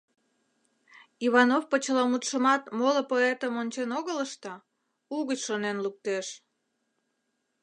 Иванов почеламутшымат моло поэтым ончен огыл ышта, угыч шонен луктеш.